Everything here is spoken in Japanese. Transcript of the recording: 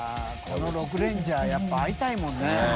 この６レンジャーやっぱり会いたいもんね。